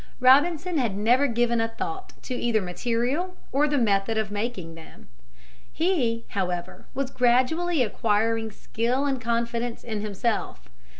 Robinson had never given a thought to either material or the method of making them. He, however, was gradually acquiring skill and confidence in himself.